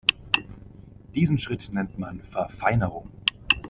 Diesen Schritt nennt man Verfeinerung.